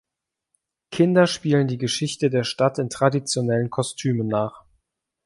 Kinder spielen die Geschichte der Stadt in traditionellen Kostümen nach.